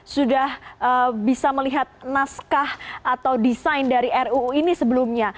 sudah bisa melihat naskah atau desain dari ruu ini sebelumnya